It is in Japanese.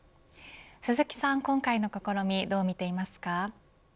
鈴木さん、今回の試みどう見ていますか。